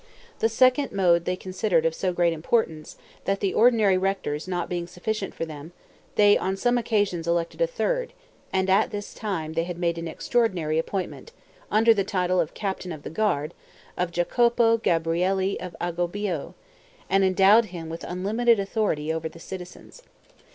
This second mode they considered of so great importance, that the ordinary rectors not being sufficient for them, they on some occasions elected a third, and at this time they had made an extraordinary appointment, under the title of captain of the guard, of Jacopo Gabrielli of Agobbio, and endowed him with unlimited authority over the citizens.